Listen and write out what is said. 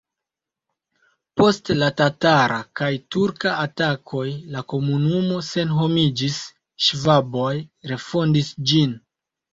Post la tatara kaj turka atakoj la komunumo senhomiĝis, ŝvaboj refondis ĝin.